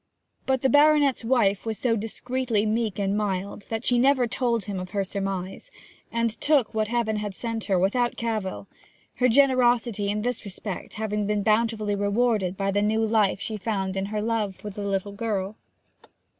But the baronet's wife was so discreetly meek and mild that she never told him of her surmise, and took what Heaven had sent her without cavil, her generosity in this respect having been bountifully rewarded by the new life she found in her love for the little girl.